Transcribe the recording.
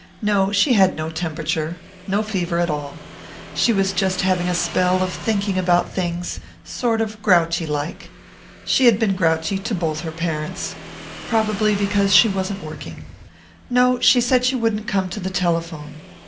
No; she had no temperature. No fever at all. She was just having a spell of thinking about things, sort of grouchy like. She had been grouchy to both her parents. Probably because she wasn't working. No, she said she wouldn't come to the telephone.